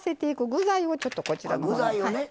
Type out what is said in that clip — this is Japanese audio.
具材をね